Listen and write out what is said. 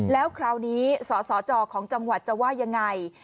แล้วคราวนี้สสจของจังหวัดจะว่ายังไง